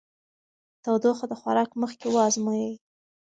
تودوخه د خوراک مخکې وازمویئ.